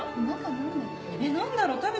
何だろう？